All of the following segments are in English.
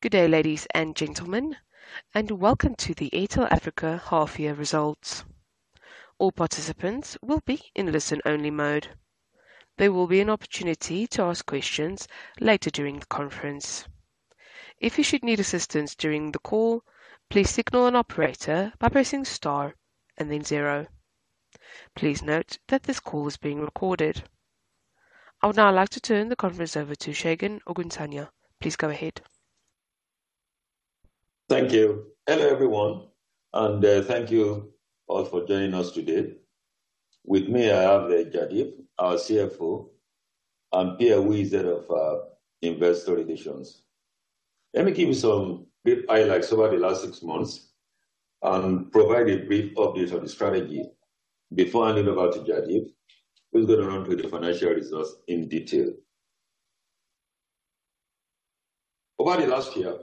Good day, ladies and gentlemen, and welcome to the Airtel Africa half year results. All participants will be in listen-only mode. There will be an opportunity to ask questions later during the conference. If you should need assistance during the call, please signal an operator by pressing Star and then zero. Please note that this call is being recorded. I would now like to turn the conference over to Segun Ogunsanya. Please go ahead. Thank you. Hello, everyone, and thank you all for joining us today. With me, I have Jaideep, our CFO, and Pier Falcione of Investor Relations. Let me give you some brief highlights over the last six months and provide a brief update on the strategy before I hand over to Jaideep, who'll go around with the financial results in detail. Over the last year,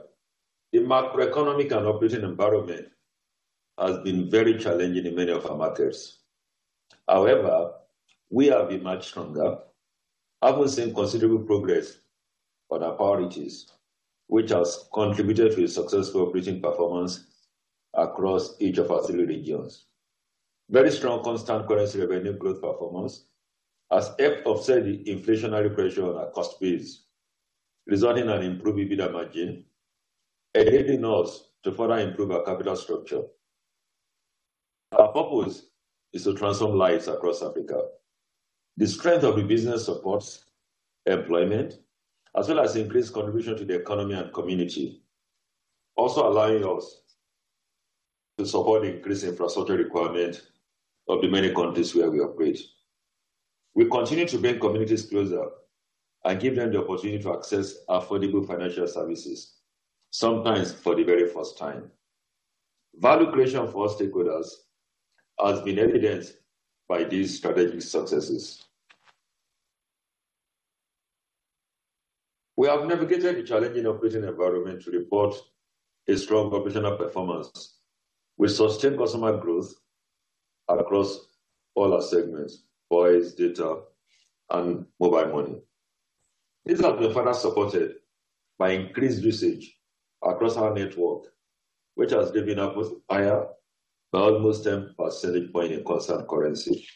the macroeconomic and operating environment has been very challenging in many of our markets. However, we have been much stronger, having seen considerable progress on our priorities, which has contributed to a successful operating performance across each of our three regions. Very strong constant currency revenue growth performance has helped offset the inflationary pressure on our cost base, resulting in improved EBITDA margin, enabling us to further improve our capital structure. Our purpose is to transform lives across Africa. The strength of the business supports employment as well as increased contribution to the economy and community, also allowing us to support the increased infrastructure requirement of the many countries where we operate. We continue to bring communities closer and give them the opportunity to access affordable financial services, sometimes for the very first time. Value creation for our stakeholders has been evidenced by these strategic successes. We have navigated a challenging operating environment to report a strong operational performance with sustained customer growth across all our segments: voice, data, and mobile money. These have been further supported by increased usage across our network, which has given us higher by almost 10 percentage point in constant currency.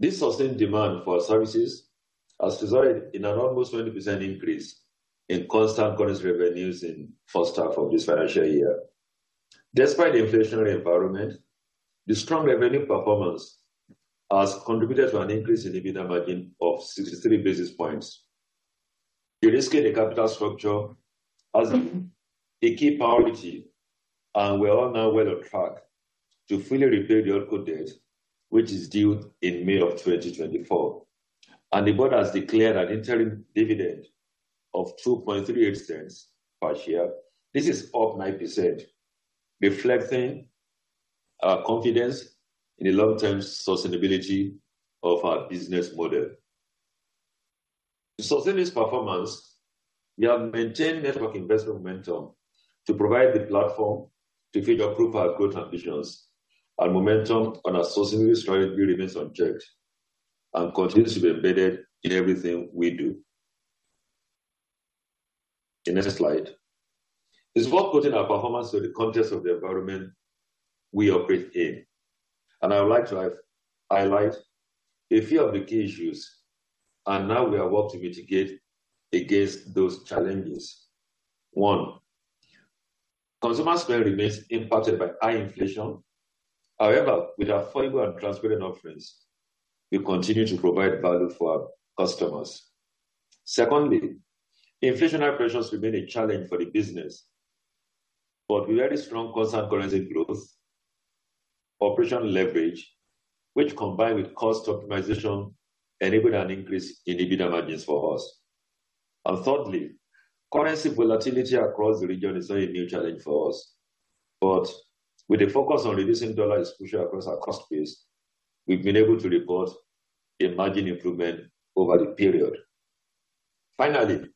This sustained demand for our services has resulted in an almost 20% increase in constant currency revenues in first half of this financial year. Despite the inflationary environment, the strong revenue performance has contributed to an increase in EBITDA margin of 63 basis points. De-risking the capital structure as a key priority, and we are now well on track to fully repay the HoldCo debt, which is due in May 2024. The board has declared an interim dividend of $0.0238 per share. This is up 9%, reflecting our confidence in the long-term sustainability of our business model. To sustain this performance, we have maintained network investment momentum to provide the platform to further improve our growth ambitions and momentum on our sustainability strategy remains on track and continues to be embedded in everything we do. The next slide. It's worth putting our performance in the context of the environment we operate in, and I would like to highlight a few of the key issues and how we are working to mitigate against those challenges. One, consumer spending remains impacted by high inflation. However, with our affordable and transparent offerings, we continue to provide value for our customers. Secondly, inflationary pressures remain a challenge for the business, but very strong constant currency growth, operational leverage, which combined with cost optimization, enabled an increase in EBITDA margins for us. And thirdly, currency volatility across the region is a new challenge for us, but with the focus on reducing dollar exposure across our cost base, we've been able to report a margin improvement over the period. Finally,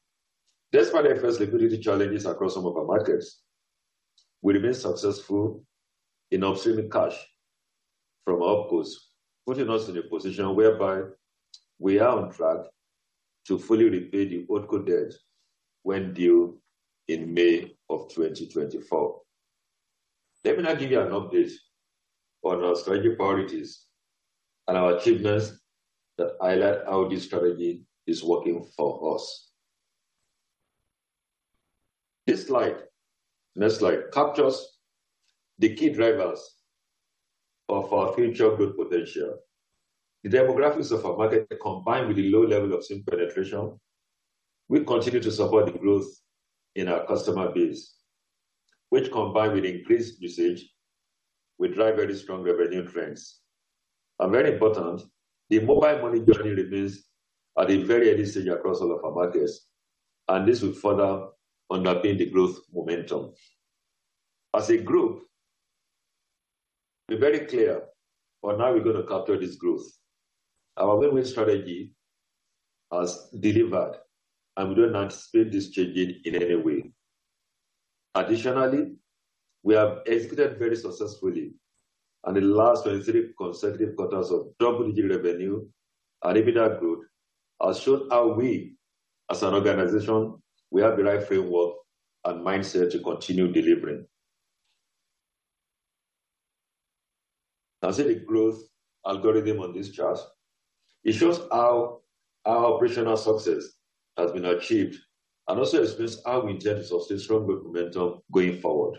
despite the first liquidity challenges across some of our markets, we remain successful in upstreaming cash from OpCos, putting us in a position whereby we are on track to fully repay the HoldCo debt when due in May 2024. Let me now give you an update on our strategic priorities and our achievements that highlight how this strategy is working for us. This slide, next slide, captures the key drivers of our future growth potential. The demographics of our market, combined with the low level of SIM penetration, will continue to support the growth in our customer base, which, combined with increased usage, will drive very strong revenue trends. And very important, the mobile money journey remains at a very early stage across all of our markets, and this will further underpin the growth momentum. As a group, we're very clear on how we're going to capture this growth. Our win-win strategy has delivered, and we don't anticipate this changing in any way.... Additionally, we have executed very successfully on the last 23 consecutive quarters of double-digit revenue and EBITDA growth, has shown how we as an organization, we have the right framework and mindset to continue delivering. Now see the growth algorithm on this chart. It shows how our operational success has been achieved, and also explains how we intend to sustain strong momentum going forward.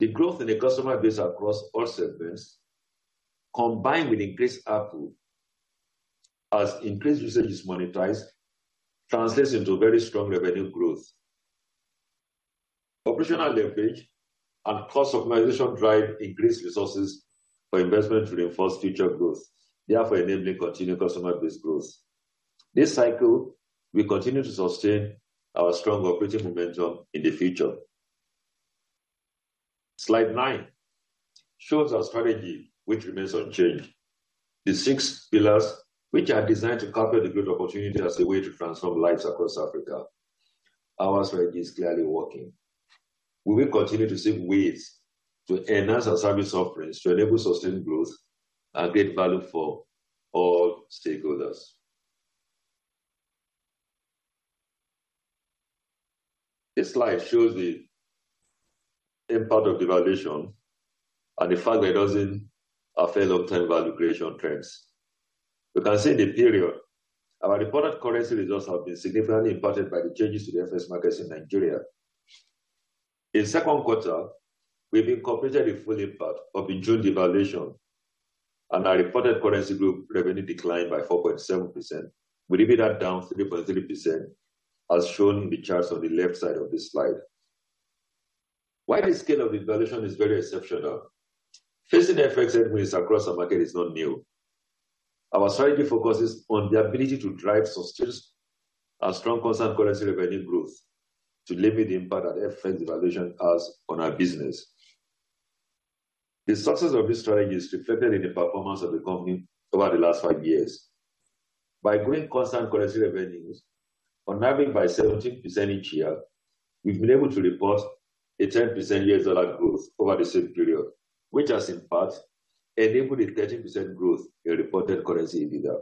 The growth in the customer base across all segments, combined with increased ARPU, as increased usage is monetized, translates into very strong revenue growth. Operational leverage and cost optimization drive increased resources for investment to reinforce future growth, therefore enabling continued customer base growth. This cycle will continue to sustain our strong operating momentum in the future. Slide 9 shows our strategy, which remains unchanged. The 6 pillars, which are designed to capture the growth opportunity as a way to transform lives across Africa. Our strategy is clearly working. We will continue to seek ways to enhance our service offerings, to enable sustained growth and create value for all stakeholders. This slide shows the impact of devaluation and the fact that it doesn't affect long-term valuation trends. You can see in the period, our reported currency results have been significantly impacted by the changes to the FX markets in Nigeria. In second quarter, we've incorporated the full impact of the June devaluation, and our reported currency group revenue declined by 4.7%, with EBITDA down 3.3%, as shown in the charts on the left side of this slide. While the scale of the devaluation is very exceptional, facing FX headwinds across our market is not new. Our strategy focuses on the ability to drive sustained and strong constant currency revenue growth to limit the impact that FX devaluation has on our business. The success of this strategy is reflected in the performance of the company over the last five years. By growing constant currency revenues on average by 17% each year, we've been able to report a 10% year-over-year growth over the same period, which has in part enabled a 30% growth in reported currency EBITDA.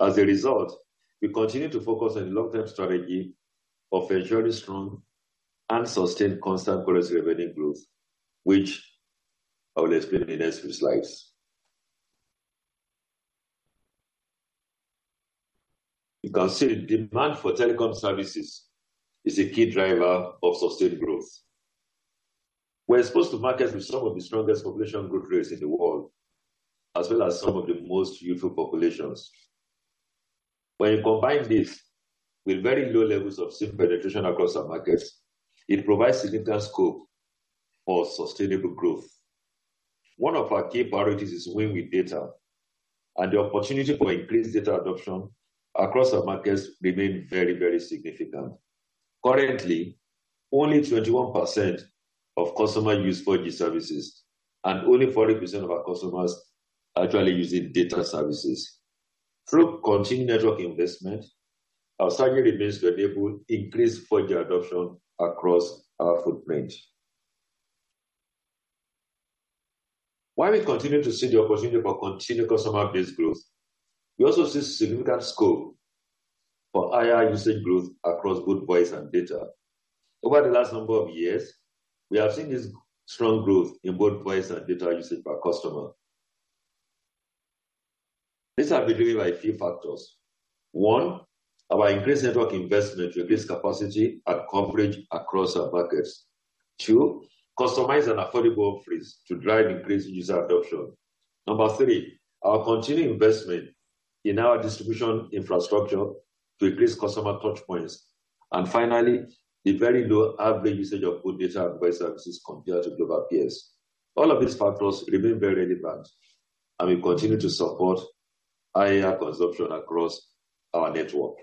As a result, we continue to focus on long-term strategy of ensuring strong and sustained constant currency revenue growth, which I will explain in the next few slides. You can see the demand for telecom services is a key driver of sustained growth. We're exposed to markets with some of the strongest population growth rates in the world, as well as some of the most youthful populations. When you combine this with very low levels of SIM penetration across our markets, it provides significant scope for sustainable growth. One of our key priorities is win with data, and the opportunity for increased data adoption across our markets remain very, very significant. Currently, only 21% of customers use 4G services, and only 40% of our customers are actually using data services. Through continued network investment, our strategy remains to enable increased 4G adoption across our footprint. While we continue to see the opportunity for continued customer base growth, we also see significant scope for higher usage growth across both voice and data. Over the last number of years, we have seen this strong growth in both voice and data usage per customer. These are driven by a few factors. One, our increased network investment to increase capacity and coverage across our markets. Two, customized and affordable offers to drive increased user adoption. Number three, our continued investment in our distribution infrastructure to increase customer touch points. And finally, the very low average usage of both data and voice services compared to global peers. All of these factors remain very relevant, and will continue to support higher consumption across our network.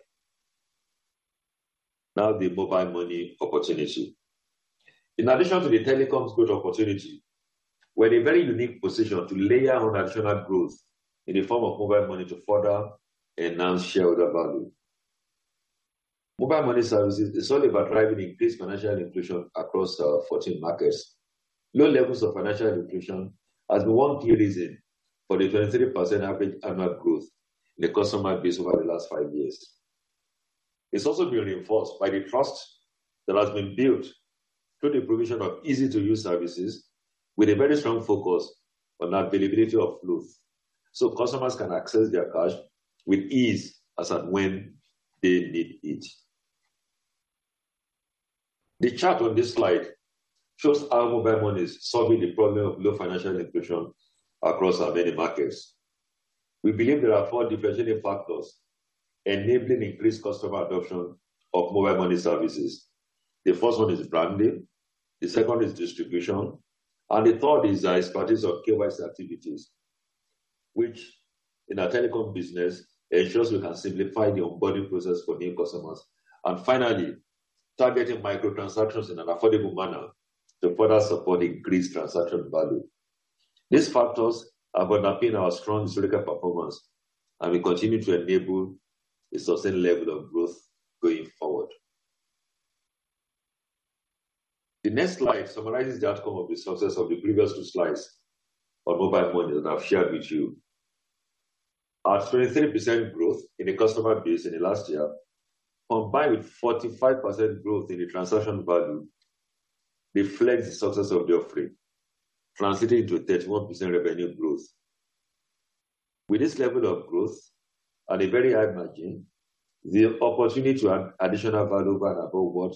Now, the mobile money opportunity. In addition to the telecoms growth opportunity, we're in a very unique position to layer on additional growth in the form of mobile money to further enhance shareholder value. Mobile money services is all about driving increased financial inclusion across our 14 markets. Low levels of financial inclusion has been one key reason for the 23% average annual growth in the customer base over the last 5 years. It's also been reinforced by the trust that has been built through the provision of easy-to-use services, with a very strong focus on the availability of booths, so customers can access their cash with ease as and when they need it. The chart on this slide shows how mobile money is solving the problem of low financial inclusion across our many markets. We believe there are 4 differentiating factors enabling increased customer adoption of mobile money services. The first one is branding, the second is distribution, and the third is our strategies of KYC activities, which in our telecom business, ensures we have simplified the onboarding process for new customers. Finally, targeting micro transactions in an affordable manner to further support increased transaction value. These factors have underpinned our strong historical performance, and will continue to enable a sustained level of growth going forward. The next slide summarizes the outcome of the success of the previous two slides on Mobile Money that I've shared with you. Our 23% growth in the customer base in the last year, combined with 45% growth in the transaction value, reflects the success of the offering, translating into a 31% revenue growth. With this level of growth, at a very high margin, the opportunity to add additional value above what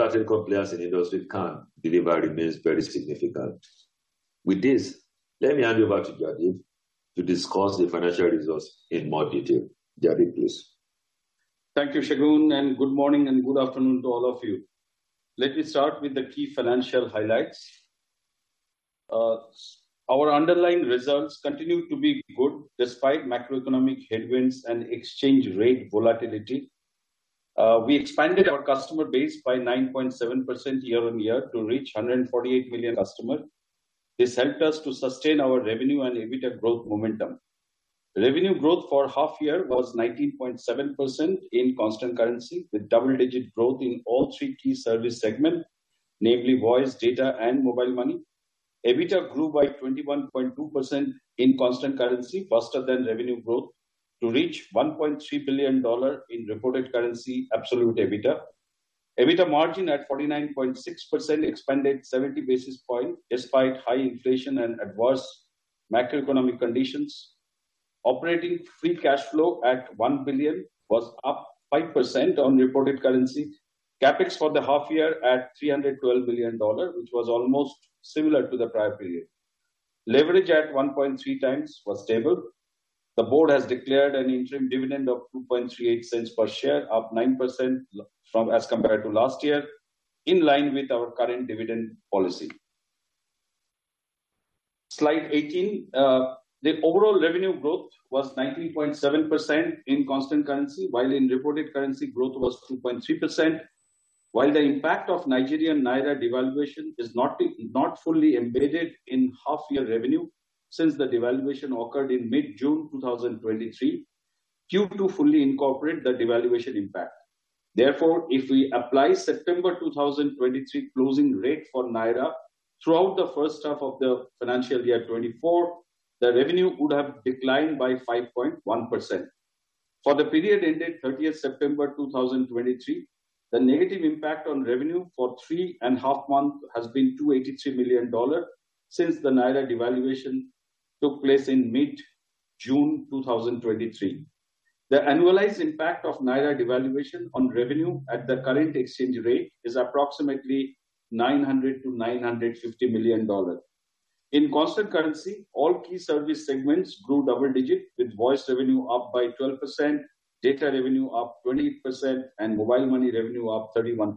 other telco players in the industry can deliver remains very significant. With this, let me hand over to Jaideep to discuss the financial results in more detail. Jaideep, please. Thank you, Segun, and good morning and good afternoon to all of you. Let me start with the key financial highlights. Our underlying results continue to be good despite macroeconomic headwinds and exchange rate volatility. We expanded our customer base by 9.7% year-on-year to reach 148 million customers. This helped us to sustain our revenue and EBITDA growth momentum. Revenue growth for half year was 19.7% in constant currency, with double-digit growth in all three key service segments, namely voice, data, and mobile money. EBITDA grew by 21.2% in constant currency, faster than revenue growth, to reach $1.3 billion in reported currency absolute EBITDA. EBITDA margin at 49.6% expanded 70 basis points, despite high inflation and adverse macroeconomic conditions. Operating free cash flow at $1 billion was up 5% on reported currency. CapEx for the half year at $312 billion, which was almost similar to the prior period. Leverage at 1.3x was stable. The board has declared an interim dividend of $0.0238 per share, up 9% from as compared to last year, in line with our current dividend policy. Slide 18. The overall revenue growth was 19.7% in constant currency, while in reported currency, growth was 2.3%. While the impact of Nigerian Naira devaluation is not not fully embedded in half year revenue, since the devaluation occurred in mid-June 2023, due to fully incorporate the devaluation impact. Therefore, if we apply September 2023 closing rate for Naira throughout the first half of the financial year 2024, the revenue would have declined by 5.1%. For the period ended 30th September 2023, the negative impact on revenue for three and a half months has been $283 million since the Naira devaluation took place in mid-June 2023. The annualized impact of Naira devaluation on revenue at the current exchange rate is approximately $900 million-$950 million. In constant currency, all key service segments grew double-digit, with voice revenue up by 12%, data revenue up 20%, and mobile money revenue up 31%.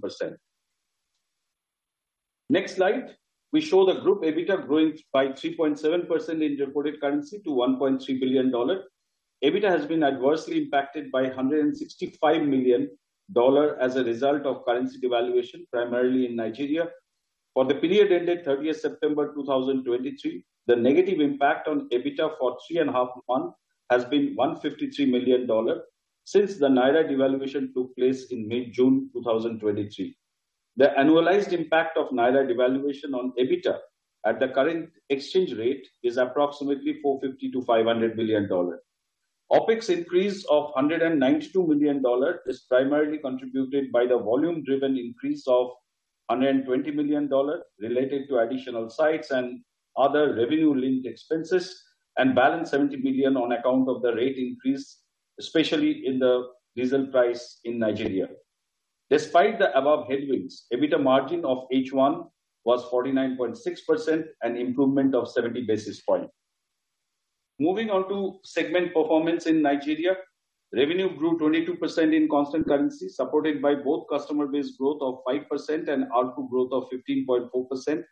Next slide. We show the group EBITDA growing by 3.7% in reported currency to $1.3 billion. EBITDA has been adversely impacted by $165 million as a result of currency devaluation, primarily in Nigeria. For the period ended thirtieth September 2023, the negative impact on EBITDA for three and half month has been $153 million since the Naira devaluation took place in mid-June 2023. The annualized impact of Naira devaluation on EBITDA at the current exchange rate is approximately $450 million-$500 million. OpEx increase of $192 million is primarily contributed by the volume driven increase of $120 million related to additional sites and other revenue-linked expenses, and balance $70 million on account of the rate increase, especially in the diesel price in Nigeria. Despite the above headwinds, EBITDA margin of H1 was 49.6%, an improvement of 70 basis point. Moving on to segment performance in Nigeria. Revenue grew 22% in constant currency, supported by both customer base growth of 5% and ARPU growth of 15.4%.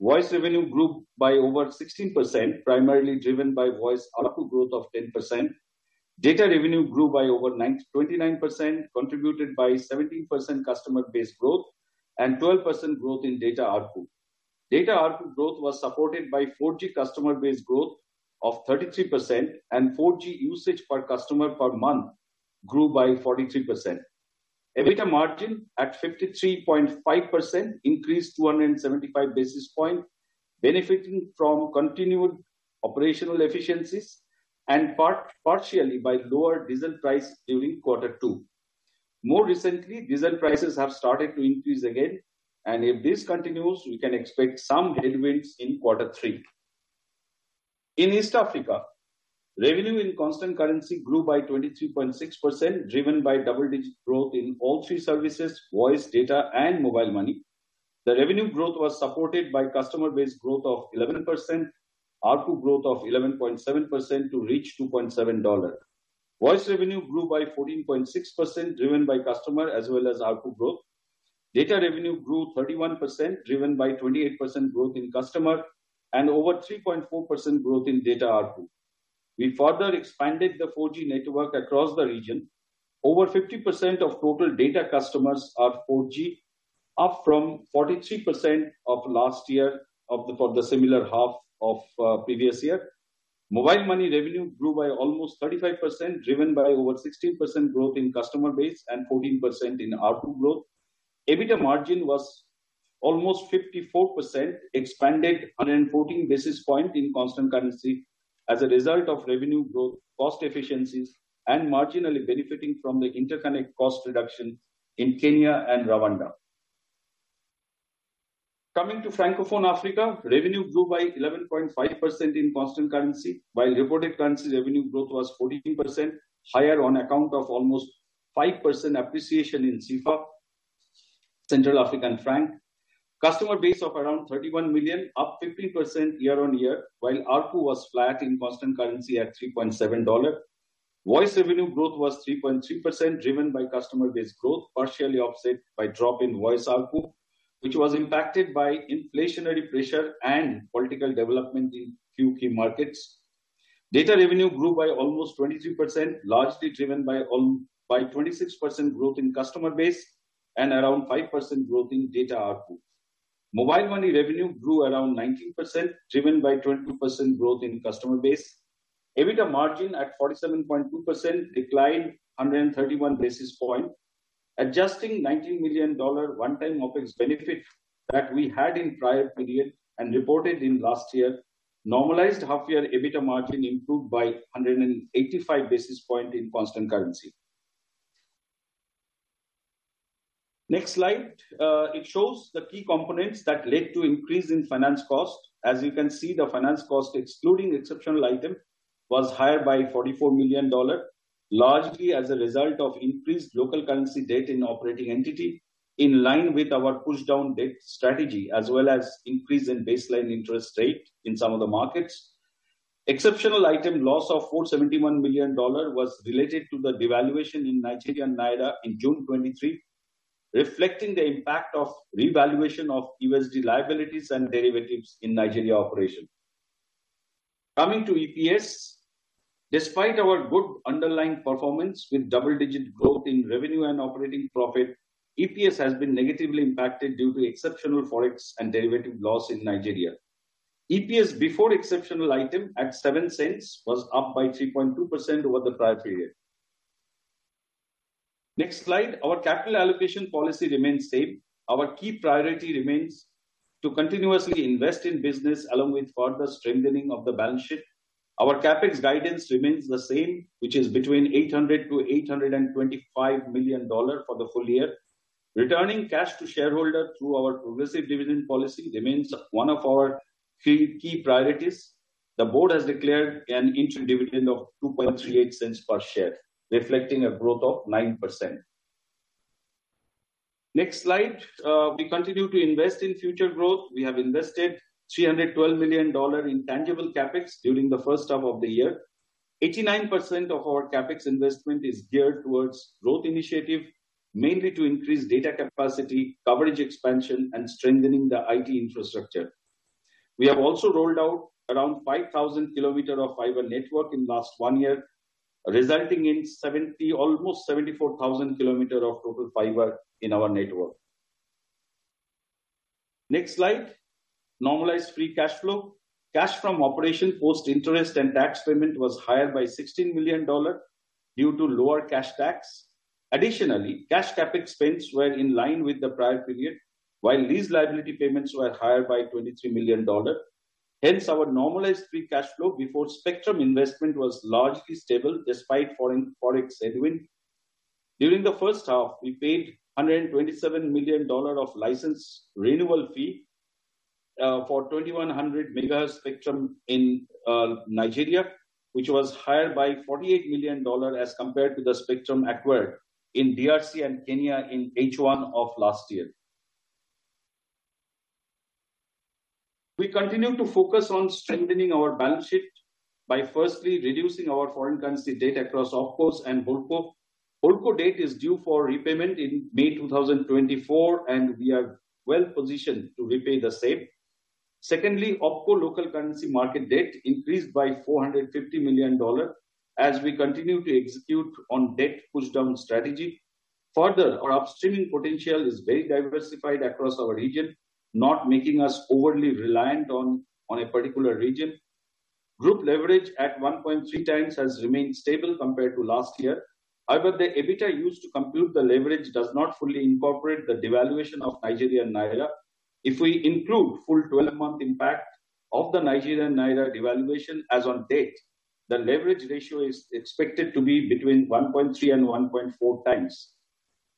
Voice revenue grew by over 16%, primarily driven by voice ARPU growth of 10%. Data revenue grew by over 29%, contributed by 17% customer base growth and 12% growth in data ARPU. Data ARPU growth was supported by 4G customer base growth of 33%, and 4G usage per customer per month grew by 43%. EBITDA margin at 53.5%, increased to 175 basis points, benefiting from continued operational efficiencies and partially by lower diesel price during quarter two. More recently, diesel prices have started to increase again, and if this continues, we can expect some headwinds in quarter three. In East Africa, revenue in constant currency grew by 23.6%, driven by double-digit growth in all three services: voice, data, and mobile money. The revenue growth was supported by customer base growth of 11%, ARPU growth of 11.7% to reach $2.7. Voice revenue grew by 14.6%, driven by customer as well as ARPU growth. Data revenue grew 31%, driven by 28% growth in customer and over 3.4% growth in data ARPU. We further expanded the 4G network across the region. Over 50% of total data customers are 4G, up from 43% of last year, for the similar half of previous year. Mobile money revenue grew by almost 35%, driven by over 16% growth in customer base and 14% in ARPU growth. EBITDA margin was almost 54%, expanded on a 14 basis points in constant currency as a result of revenue growth, cost efficiencies, and marginally benefiting from the interconnect cost reduction in Kenya and Rwanda. Coming to Francophone Africa, revenue grew by 11.5% in constant currency, while reported currency revenue growth was 14%, higher on account of almost 5% appreciation in CFA, Central African Franc. Customer base of around 31 million, up 15% year-on-year, while ARPU was flat in constant currency at $3.7. Voice revenue growth was 3.3%, driven by customer base growth, partially offset by drop in voice ARPU, which was impacted by inflationary pressure and political development in few key markets. Data revenue grew by almost 23%, largely driven by 26% growth in customer base and around 5% growth in data ARPU. Mobile money revenue grew around 19%, driven by 22% growth in customer base. EBITDA margin at 47.2% declined 131 basis points. Adjusting $19 million one-time OpEx benefit that we had in prior period and reported in last year, normalized half year EBITDA margin improved by 185 basis points in constant currency. Next slide. It shows the key components that led to increase in finance cost. As you can see, the finance cost, excluding exceptional item, was higher by $44 million, largely as a result of increased local currency debt in operating entity, in line with our pushdown debt strategy, as well as increase in baseline interest rate in some of the markets. Exceptional item loss of $471 million was related to the devaluation in Nigerian naira in June 2023, reflecting the impact of revaluation of USD liabilities and derivatives in Nigeria operation. Coming to EPS. Despite our good underlying performance, with double-digit growth in revenue and operating profit, EPS has been negatively impacted due to exceptional Forex and derivative loss in Nigeria. EPS before exceptional item at $0.07, was up by 3.2% over the prior period. Next slide. Our capital allocation policy remains same. Our key priority remains to continuously invest in business, along with further strengthening of the balance sheet. Our CapEx guidance remains the same, which is between $800 million-$825 million for the full year. Returning cash to shareholder through our progressive dividend policy, remains one of our key, key priorities. The board has declared an interim dividend of $0.0238 per share, reflecting a growth of 9%. Next slide. We continue to invest in future growth. We have invested $312 million in tangible CapEx during the first half of the year. 89% of our CapEx investment is geared towards growth initiative, mainly to increase data capacity, coverage expansion, and strengthening the IT infrastructure. We have also rolled out around 5,000 kilometers of fiber network in last one year, resulting in almost 74,000 kilometers of total fiber in our network. Next slide. Normalized free cash flow. Cash from operations, post-interest and tax payment, was higher by $16 million due to lower cash tax. Additionally, cash CapEx spends were in line with the prior period, while lease liability payments were higher by $23 million. Hence, our normalized free cash flow before spectrum investment was largely stable despite foreign FX headwind. During the first half, we paid $127 million of license renewal fee for 2100 MHz spectrum in Nigeria, which was higher by $48 million as compared to the spectrum acquired in DRC and Kenya in H1 of last year. We continue to focus on strengthening our balance sheet by firstly, reducing our foreign currency debt across OpCo and HoldCo. HoldCo debt is due for repayment in May 2024, and we are well positioned to repay the same. Secondly, OpCo local currency market debt increased by $450 million as we continue to execute on debt pushdown strategy. Further, our upstreaming potential is very diversified across our region, not making us overly reliant on a particular region. Group leverage at 1.3x has remained stable compared to last year. However, the EBITDA used to compute the leverage does not fully incorporate the devaluation of Nigerian naira. If we include full twelve-month impact of the Nigerian naira devaluation, as on date, the leverage ratio is expected to be between 1.3x and 1.4x.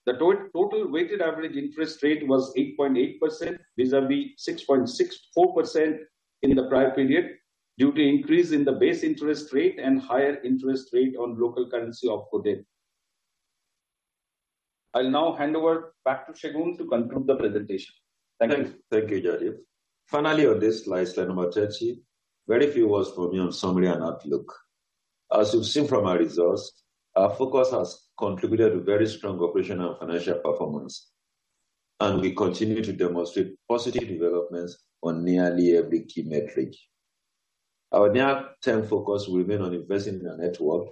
The total weighted average interest rate was 8.8%, vis-à-vis 6.64% in the prior period, due to increase in the base interest rate and higher interest rate on local currency OpCo debt. I'll now hand over back to Segun to conclude the presentation. Thank you. Thank you, Jaideep. Finally, on this slide, slide number 30, very few words from me on summary and outlook. As you've seen from our results, our focus has contributed to very strong operational and financial performance. We continue to demonstrate positive developments on nearly every key metric. Our near term focus will remain on investing in our network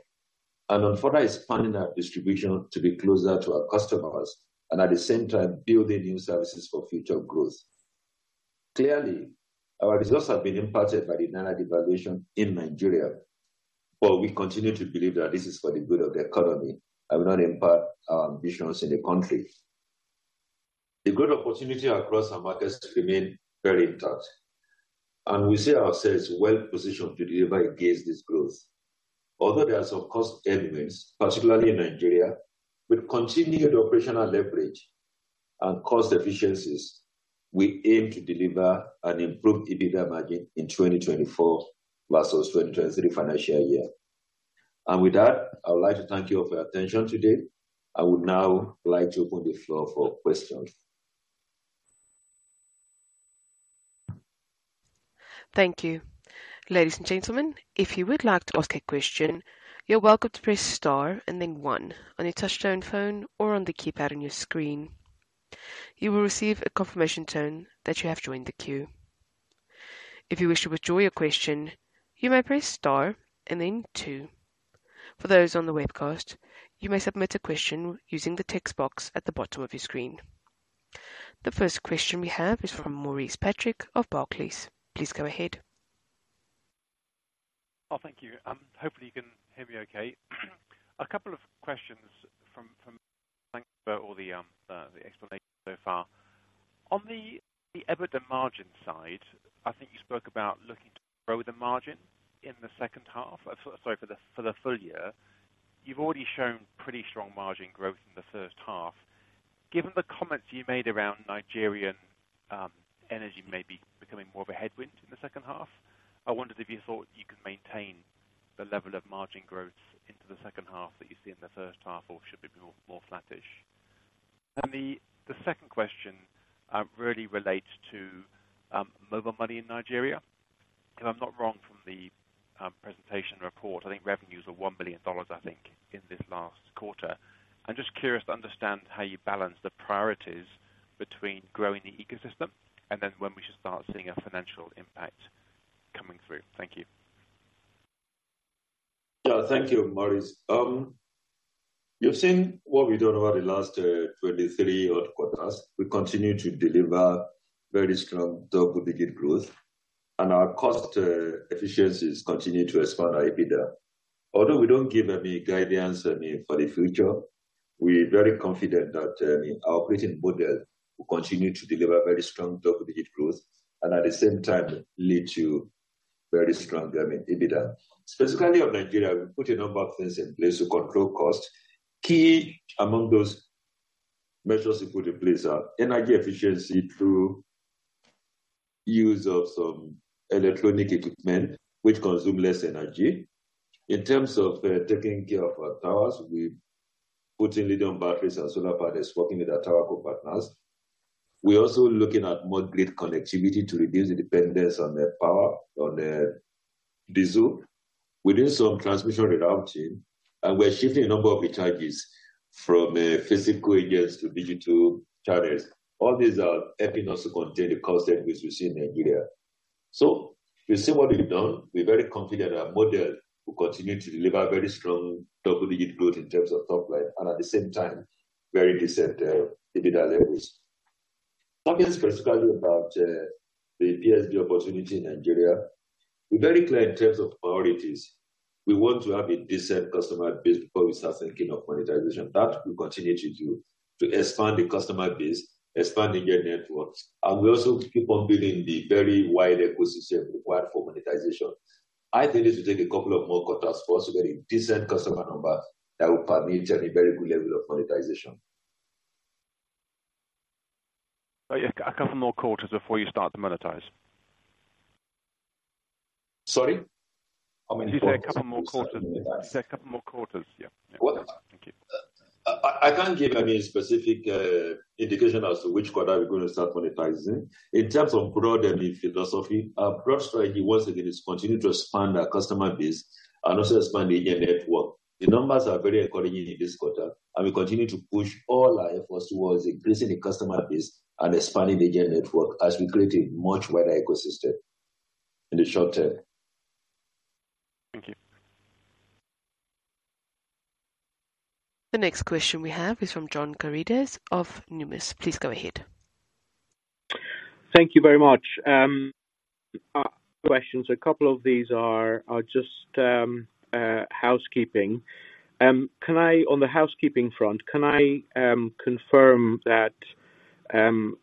and on further expanding our distribution to be closer to our customers and at the same time building new services for future growth. Clearly, our results have been impacted by the naira devaluation in Nigeria, but we continue to believe that this is for the good of the economy and will not impact our ambitions in the country. The good opportunity across our markets remain very intact, and we see ourselves well positioned to deliver against this growth. Although there are some cost elements, particularly in Nigeria, with continued operational leverage and cost efficiencies, we aim to deliver an improved EBITDA margin in 2024 versus 2023 financial year. And with that, I would like to thank you all for your attention today. I would now like to open the floor for questions. Thank you. Ladies and gentlemen, if you would like to ask a question, you're welcome to press Star and then one on your touchtone phone or on the keypad on your screen. You will receive a confirmation tone that you have joined the queue. If you wish to withdraw your question, you may press Star and then two. For those on the webcast, you may submit a question using the text box at the bottom of your screen. The first question we have is from Maurice Patrick of Barclays. Please go ahead. Oh, thank you. Hopefully you can hear me okay. Thank you for all the explanation so far. On the EBITDA margin side, I think you spoke about looking to grow the margin in the second half for the full year. You've already shown pretty strong margin growth in the first half. Given the comments you made around Nigerian energy maybe becoming more of a headwind in the second half, I wondered if you thought you could maintain the level of margin growth into the second half that you see in the first half, or should it be more flattish? The second question really relates to Mobile Money in Nigeria, if I'm not wrong, from the presentation report. I think revenues are $1 billion, I think, in this last quarter. I'm just curious to understand how you balance the priorities between growing the ecosystem and then when we should start seeing a financial impact coming through. Thank you. Yeah. Thank you, Maurice. You've seen what we've done over the last 23 odd quarters. We continue to deliver very strong double-digit growth, and our cost efficiencies continue to expand our EBITDA. Although we don't give any guidance any for the future, we're very confident that our operating model will continue to deliver very strong double-digit growth and at the same time lead to very strong, I mean, EBITDA. Specifically on Nigeria, we put a number of things in place to control costs. Key among those measures we put in place are energy efficiency through use of some electronic equipment which consume less energy. In terms of taking care of our towers, we putting lithium batteries and solar panels working with our tower partners. We're also looking at more grid connectivity to reduce the dependence on the power, on the diesel. We're doing some transmission redating, and we're shifting a number of recharges from physical agents to digital charges. All these are helping us to contain the cost that we've seen in Nigeria. So we've seen what we've done. We're very confident that our model will continue to deliver very strong double-digit growth in terms of top line and at the same time, very decent EBITDA levels. Talking specifically about the PSB opportunity in Nigeria, we're very clear in terms of priorities. We want to have a decent customer base before we start thinking of monetization. That we continue to do, to expand the customer base, expanding their networks, and we also keep on building the very wide ecosystem required for monetization. I think it will take a couple of more quarters for us to get a decent customer number that will permit any very good level of monetization. Yeah, a couple more quarters before you start to monetize? Sorry? How many quarters- You said a couple more quarters. You said a couple more quarters. Yeah. Well- Thank you. I can't give any specific indication as to which quarter we're going to start monetizing. In terms of broadband and the philosophy, our broad strategy once again is to continue to expand our customer base and also expand the agent network. The numbers are very encouraging in this quarter, and we continue to push all our efforts towards increasing the customer base and expanding the agent network as we create a much wider ecosystem in the short term. Thank you. The next question we have is from John Karidis of Numis. Please go ahead. Thank you very much. Questions. A couple of these are just housekeeping. On the housekeeping front, can I confirm that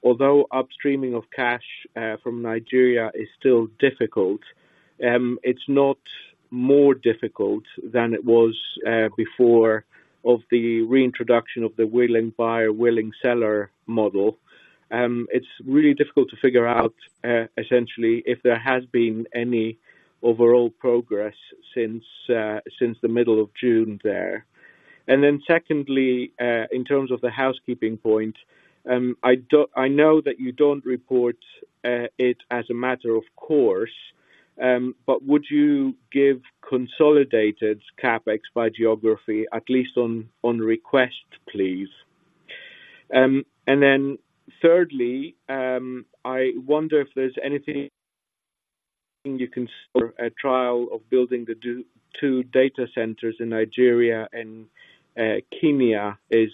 although upstreaming of cash from Nigeria is still difficult, it's not more difficult than it was before the reintroduction of the willing buyer, willing seller model? It's really difficult to figure out essentially if there has been any overall progress since the middle of June there. And then secondly, in terms of the housekeeping point, I know that you don't report it as a matter of course. But would you give consolidated CapEx by geography, at least on request, please? Thirdly, I wonder if there's anything you can sort a trial of building the two data centers in Nigeria and Kenya is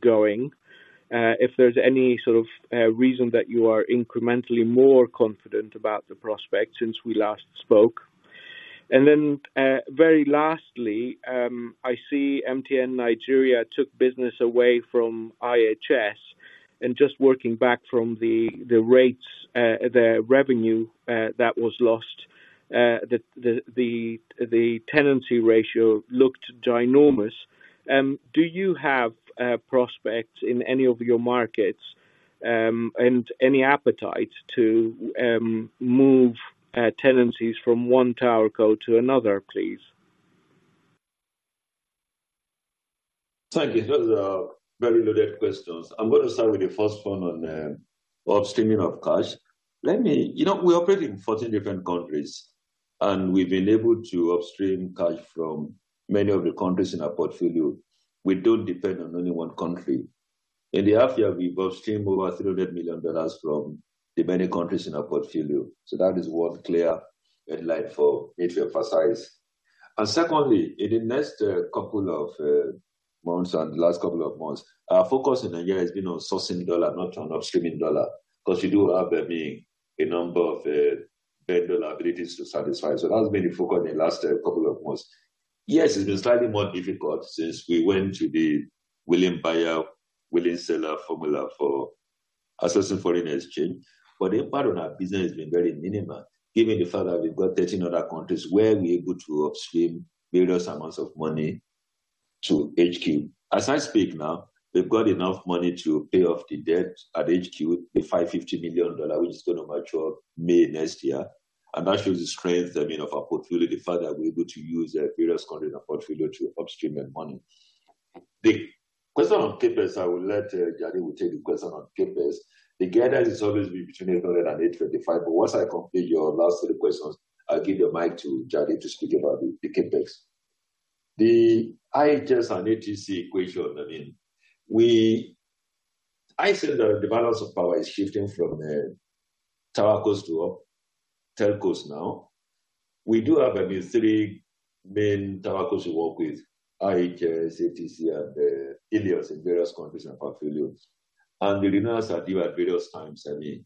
going. If there's any sort of reason that you are incrementally more confident about the prospect since we last spoke. Very lastly, I see MTN Nigeria took business away from IHS, and just working back from the rates, the revenue that was lost, the tenancy ratio looked ginormous. Do you have prospects in any of your markets, and any appetite to move tenancies from one tower co to another, please? Thank you. Those are very loaded questions. I'm gonna start with the first one on upstreaming of cash. Let me. You know, we operate in 14 different countries, and we've been able to upstream cash from many of the countries in our portfolio. We don't depend on only one country. In the half year, we've upstreamed over $300 million from the many countries in our portfolio, so that is one clear red light for me to emphasize. And secondly, in the next couple of months and last couple of months, our focus in Nigeria has been on sourcing dollar, not on upstreaming dollar, 'cause you do have there being a number of bad dollar liabilities to satisfy. So that's been the focus in the last couple of months. Yes, it's been slightly more difficult since we went to the willing buyer, willing seller formula for assessing foreign exchange, but the impact on our business has been very minimal, given the fact that we've got 13 other countries where we're able to upstream various amounts of money to HQ. As I speak now, we've got enough money to pay off the debt at HQ, the $550 million, which is gonna mature May next year. That shows the strength, I mean, of our portfolio, the fact that we're able to use the various country in our portfolio to upstream the money. The question on CapEx, I will let Jade will take the question on CapEx. The guidance is always between $800 million-$825 million, but once I complete your last three questions, I'll give the mic to Jade to speak about the, the CapEx. The IHS and ATC equation, I mean, I said that the balance of power is shifting from tower cos to op telcos now. We do have at least three main tower cos we work with, IHS, ATC, and Helios in various countries and portfolios. The renewals are due at various times, I mean.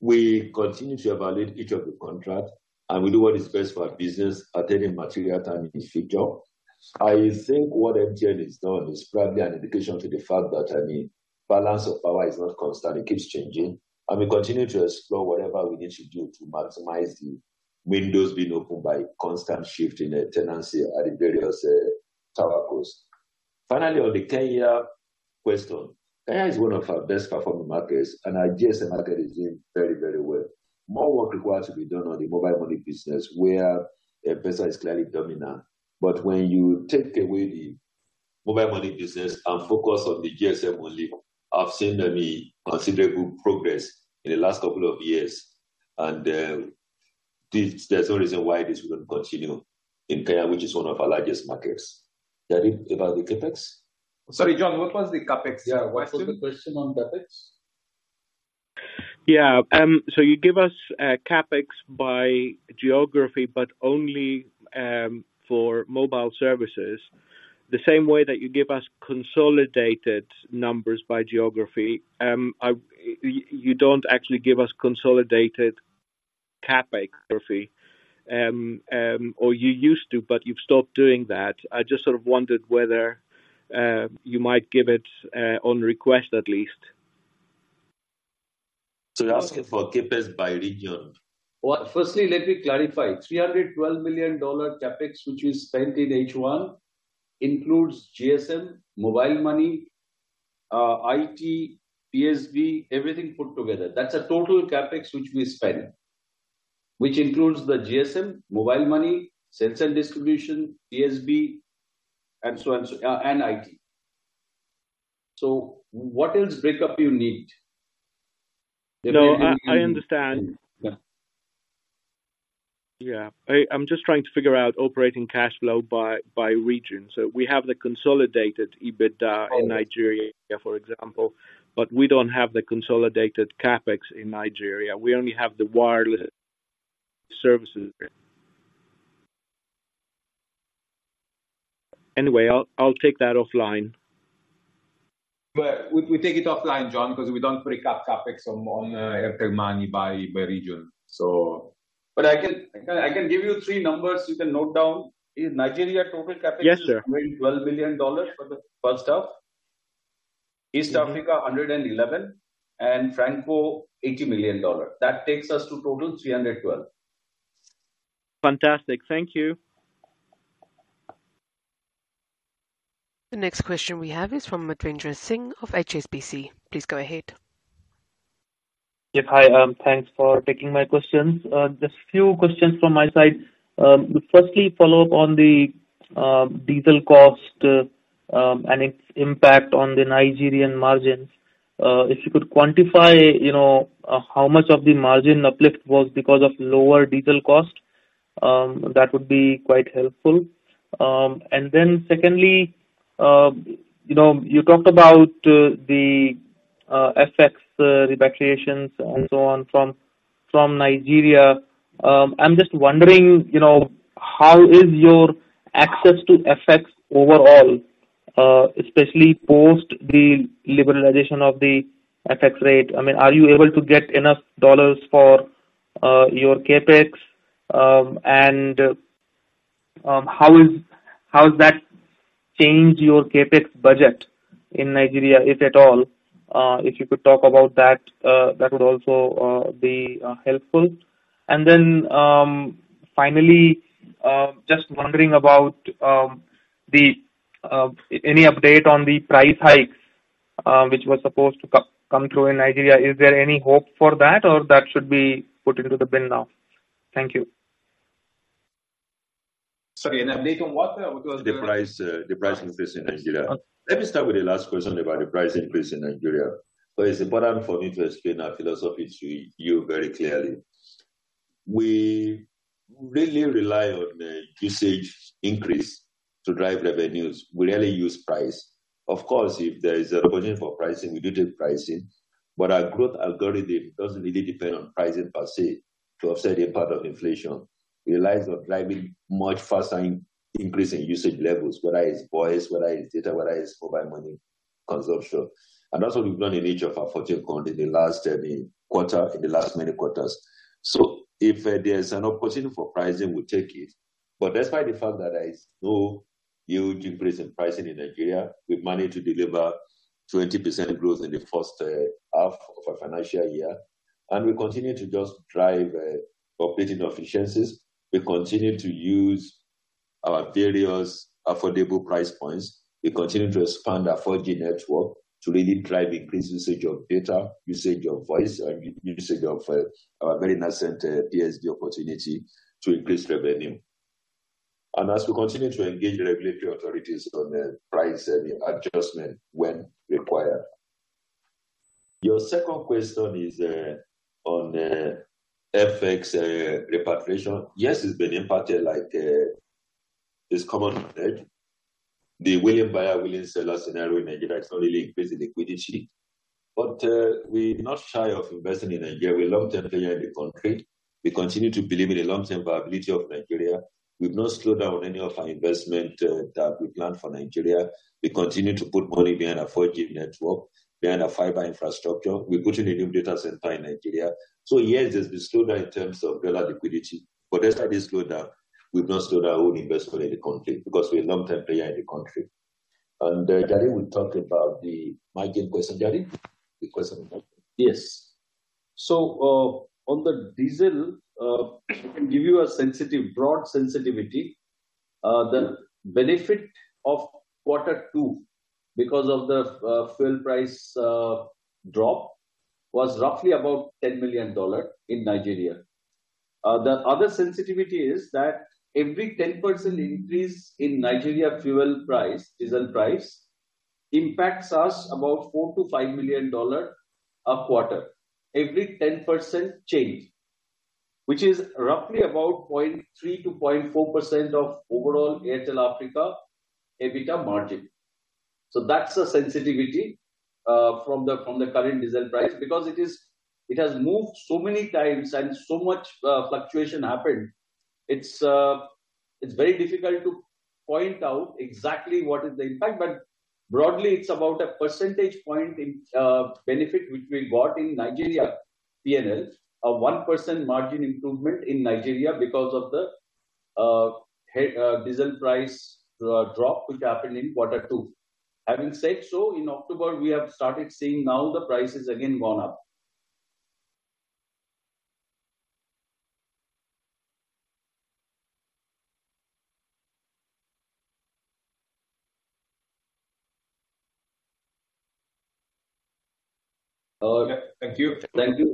We continue to evaluate each of the contracts, and we do what is best for our business at any material time in the future. I think what MTN has done is probably an indication to the fact that, I mean, balance of power is not constant, it keeps changing, and we continue to explore whatever we need to do to maximize the windows being opened by constant shift in the tenancy at the various tower cos. Finally, on the Kenya question, Kenya is one of our best performing markets, and our GSM market is doing very, very well. More work requires to be done on the mobile money business, where is clearly dominant. But when you take away the mobile money business and focus on the GSM only, I've seen the considerable progress in the last couple of years, and this, there's no reason why this wouldn't continue in Kenya, which is one of our largest markets. Jaideep, about the CapEx? Sorry, John, what was the CapEx question? Yeah, what was the question on CapEx? Yeah, so you give us CapEx by geography, but only for mobile services. The same way that you give us consolidated numbers by geography, you don't actually give us consolidated CapEx geography. Or you used to, but you've stopped doing that. I just sort of wondered whether you might give it on request at least. You're asking for CapEx by region? Well, firstly, let me clarify. $312 million CapEx, which we spent in H1, includes GSM, mobile money, IT, PSB, everything put together. That's a total CapEx which we spent, which includes the GSM, mobile money, sales and distribution, PSB, and so and so, and IT. So what else break up you need? No, I understand. Yeah. Yeah. I'm just trying to figure out operating cash flow by region. So we have the consolidated EBITDA- Oh. In Nigeria, for example, but we don't have the consolidated CapEx in Nigeria. We only have the wireless services. Anyway, I'll take that offline. But we take it offline, John, because we don't break up CapEx on Airtel Money by region. So... But I can give you three numbers you can note down. In Nigeria, total CapEx- Yes, sir. $312 billion for the first half. East Africa, $111 million, and Franco, $80 million. That takes us to total $312 million. Fantastic. Thank you. The next question we have is from Madhvendra Singh of HSBC. Please go ahead. Yes, hi. Thanks for taking my questions. Just few questions from my side. Firstly, follow up on the diesel cost and its impact on the Nigerian margins. If you could quantify, you know, how much of the margin uplift was because of lower diesel cost, that would be quite helpful. And then secondly, you know, you talked about the FX repatriations and so on from Nigeria. I'm just wondering, you know, how is your access to FX overall, especially post the liberalization of the FX rate? I mean, are you able to get enough dollars for your CapEx? And how does that change your CapEx budget in Nigeria, if at all? If you could talk about that, that would also be helpful. And then, finally, just wondering about any update on the price hikes, which was supposed to come through in Nigeria. Is there any hope for that, or that should be put into the bin now? Thank you. Sorry, and then, what? The price, the price increase in Nigeria. Let me start with the last question about the price increase in Nigeria. But it's important for me to explain our philosophy to you very clearly. We really rely on the usage increase to drive revenues. We rarely use price. Of course, if there is an opportunity for pricing, we do the pricing, but our growth algorithm doesn't really depend on pricing per se, to offset any part of inflation. We relies on driving much faster in increase in usage levels, whether it's voice, whether it's data, whether it's mobile money consumption. And that's what we've done in each of our quarter, in the last maybe quarter, in the last many quarters. So if, there's an opportunity for pricing, we'll take it. But despite the fact that there is no huge increase in pricing in Nigeria, we've managed to deliver 20% growth in the first half of our financial year, and we continue to just drive operating efficiencies. We continue to use our various affordable price points. We continue to expand our 4G network to really drive increased usage of data, usage of voice, and usage of our very nascent PSB opportunity to increase revenue. And as we continue to engage regulatory authorities on the price adjustment when required. Your second question is on FX repatriation. Yes, it's been impacted like it's common in the seller scenario in Nigeria. It's not really increased the liquidity. But we're not shy of investing in Nigeria. We're a long-term player in the country. We continue to believe in the long-term viability of Nigeria. We've not slowed down any of our investment that we planned for Nigeria. We continue to put money behind our 4G network, behind our fiber infrastructure. We're putting a new data center in Nigeria. So yes, there's been slower in terms of dollar liquidity, but despite this slowdown, we've not slowed our own investment in the country because we're a long-term player in the country. And Jaideep will talk about the margin question. Jaideep, the question? Yes. So, on the diesel, I can give you a sensitive, broad sensitivity. The benefit of quarter two, because of the fuel price drop, was roughly about $10 million in Nigeria. The other sensitivity is that every 10% increase in Nigeria fuel price, diesel price, impacts us about $4 million-$5 million a quarter. Every 10% change, which is roughly about 0.3%-0.4% of overall Airtel Africa, EBITDA margin. So that's the sensitivity, from the current diesel price, because it is... It has moved so many times and so much fluctuation happened, it's very difficult to point out exactly what is the impact. But broadly, it's about a percentage point in benefit which we got in Nigeria, P&L. A 1% margin improvement in Nigeria because of the diesel price drop, which happened in quarter two. Having said so, in October, we have started seeing now the price has again gone up. Uh- Thank you. Thank you.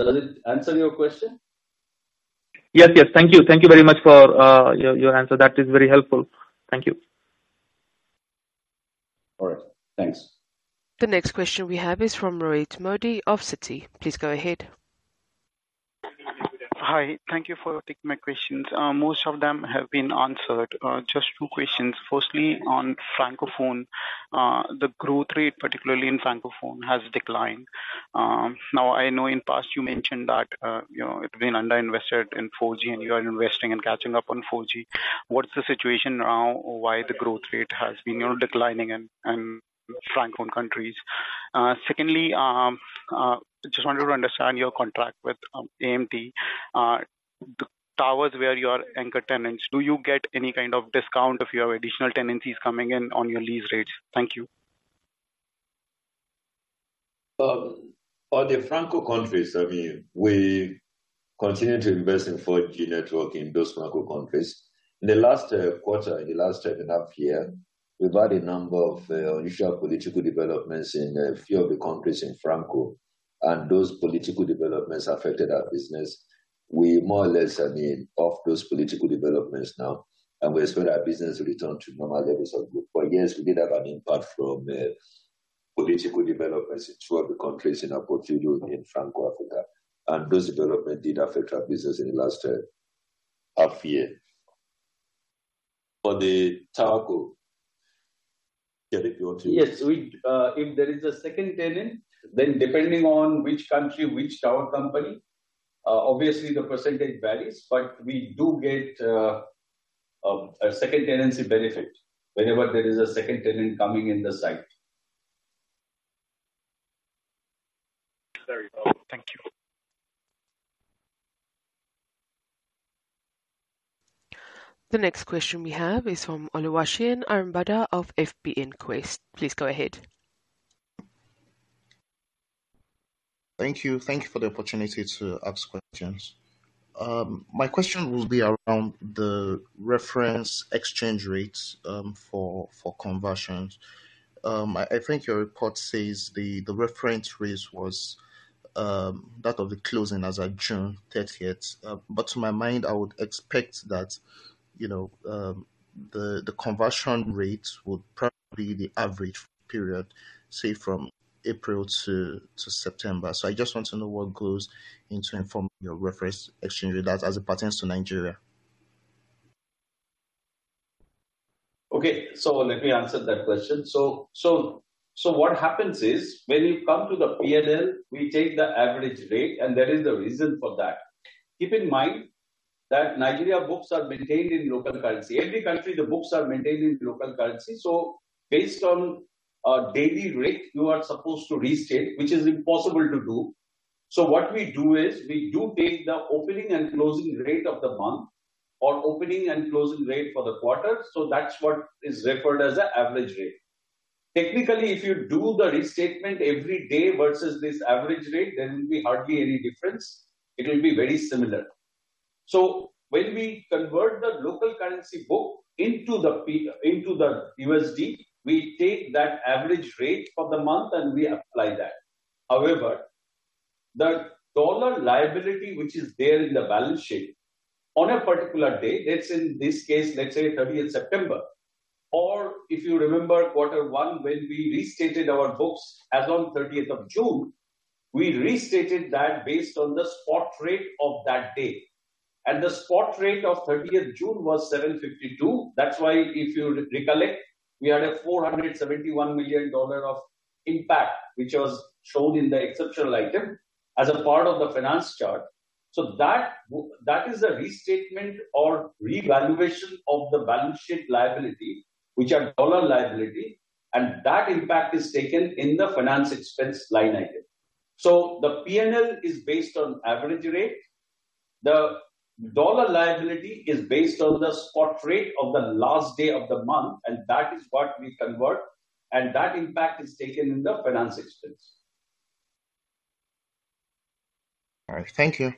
Does it answer your question? Yes, yes. Thank you. Thank you very much for your, your answer. That is very helpful. Thank you. All right. Thanks. The next question we have is from Rohit Modi of Citi. Please go ahead. Hi. Thank you for taking my questions. Most of them have been answered. Just two questions: firstly, on Francophone. The growth rate, particularly in Francophone, has declined. Now, I know in past you mentioned that, you know, it's been underinvested in 4G, and you are investing and catching up on 4G. What's the situation now, or why the growth rate has been, you know, declining in Francophone countries? Secondly, just wanted to understand your contract with AMT. The towers where you are anchor tenants, do you get any kind of discount if you have additional tenancies coming in on your lease rates? Thank you. On the Franco countries, I mean, we continue to invest in 4G network in those Franco countries. In the last quarter, in the last ten and a half year, we've had a number of unusual political developments in a few of the countries in Franco, and those political developments affected our business. We more or less, I mean, off those political developments now, and we expect our business to return to normal levels of growth. Yes, we did have an impact from political developments in two of the countries in our portfolio in Franco-Africa, and those development did affect our business in the last half year. For the tower co. Jaideep, you want to- Yes, we, if there is a second tenant, then depending on which country, which tower company, obviously the percentage varies, but we do get a second tenancy benefit whenever there is a second tenant coming in the site. Very well. Thank you. The next question we have is from Oluwaseun Arambada of FBNQuest. Please go ahead. Thank you. Thank you for the opportunity to ask questions. My question will be around the reference exchange rates, for conversions. I think your report says the reference rates was that of the closing as at June thirtieth. But to my mind, I would expect that, you know, the conversion rate would probably be the average period, say, from April to September. So I just want to know what goes into forming your reference exchange rate as it pertains to Nigeria. Okay, so let me answer that question. So what happens is when you come to the PNL, we take the average rate, and there is a reason for that. Keep in mind that Nigeria books are maintained in local currency. Every country, the books are maintained in local currency. So based on a daily rate, you are supposed to restate, which is impossible to do. So what we do is, we do take the opening and closing rate of the month or opening and closing rate for the quarter, so that's what is referred as the average rate. Technically, if you do the restatement every day versus this average rate, there will be hardly any difference. It will be very similar. So when we convert the local currency book into the USD, we take that average rate for the month and we apply that. However, the dollar liability, which is there in the balance sheet on a particular day, let's say in this case, let's say 30th September, or if you remember quarter one, when we restated our books as on 30th of June, we restated that based on the spot rate of that day. The spot rate of 30th June was 752. That's why if you re-recollect, we had a $471 million impact, which was shown in the exceptional item as a part of the finance chart. That is a restatement or revaluation of the balance sheet liability, which are dollar liability, and that impact is taken in the finance expense line item. The PNL is based on average rate. The dollar liability is based on the spot rate of the last day of the month, and that is what we convert, and that impact is taken in the finance expense. All right. Thank you.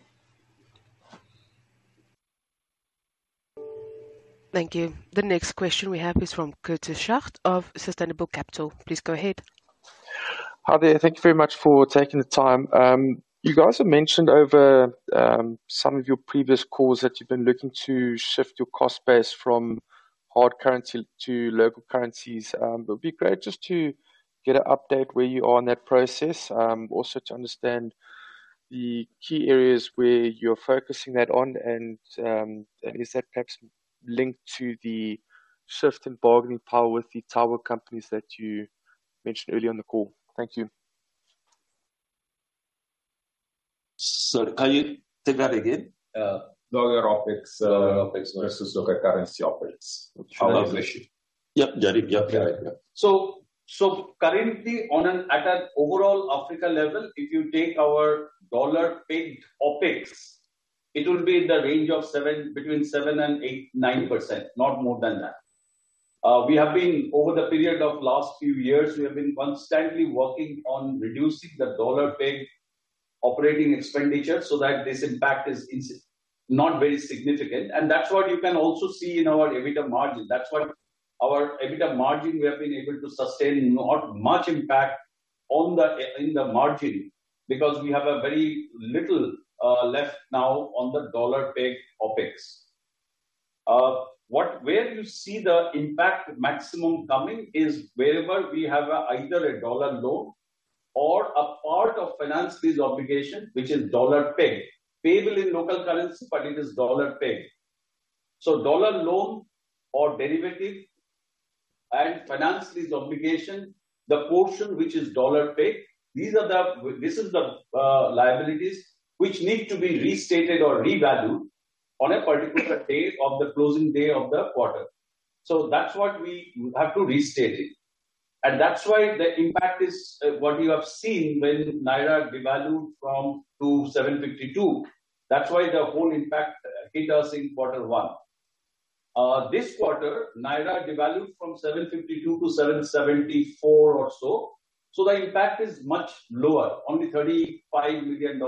Thank you. The next question we have is from Curtis Schacht of Sustainable Capital. Please go ahead. Hi there. Thank you very much for taking the time. You guys have mentioned over, some of your previous calls that you've been looking to shift your cost base from hard currency to local currencies. But it'd be great just to get an update where you are in that process, also to understand the key areas where you're focusing that on, and, and is that perhaps linked to the shift in bargaining power with the tower companies that you mentioned earlier on the call? Thank you. Can you say that again? Dollar OpEx versus local currency OpEx. Yeah, Jaideep. Yeah. Currently, at an overall Africa level, if you take our dollar-pegged OpEx, it will be in the range of 7%-8%, 9% not more than that. We have been, over the period of last few years, we have been constantly working on reducing the dollar-pegged operating expenditure so that this impact is not very significant. That's what you can also see in our EBITDA margin. That's what our EBITDA margin, we have been able to sustain not much impact on the margin, because we have very little left now on the dollar-pegged OpEx. What, where you see the impact maximum coming is wherever we have either a dollar loan or a part of finance lease obligation, which is dollar-pegged. Payable in local currency, but it is dollar-pegged. Dollar loan or derivative and finance lease obligation, the portion which is dollar-pegged, these are the... This is the liabilities which need to be restated or revalued on a particular day of the closing day of the quarter. That's what we have to restate it. That's why the impact is what you have seen when the Naira devalued from 752. That's why the whole impact hit us in quarter one. This quarter, Naira devalued from 752 to 774 or so, so the impact is much lower, only $35 million